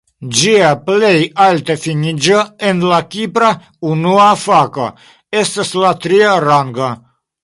Ĝia plej alta finiĝo en la Kipra Unua Fako estas la tria rango.